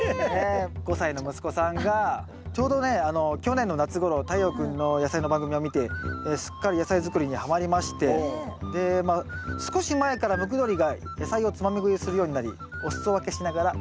５歳の息子さんがちょうどね去年の夏頃太陽君の野菜の番組を見てすっかり野菜作りにはまりまして少し前からムクドリが野菜をつまみぐいするようになりお裾分けしながら育ててますと。